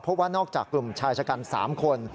เพราะว่านอกจากกลุ่มชายชะกัน๓คน